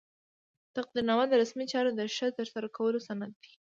تقدیرنامه د رسمي چارو د ښه ترسره کولو سند دی.